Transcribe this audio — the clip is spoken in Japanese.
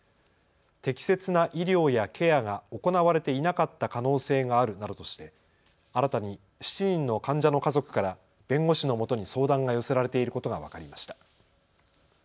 適切な医療やケアが行われていなかった可能性があるなどとして新たに７人の患者の家族から弁護士のもとに相談が寄せられていることが分かりました。